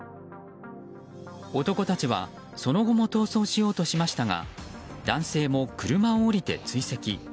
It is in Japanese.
男たちはその後も逃走しようとしましたが男性も車を降りて追跡。